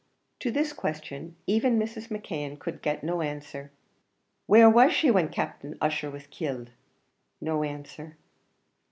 To this question even Mrs. McKeon could get no answer. "Where was she when Captain Ussher was killed?" No answer.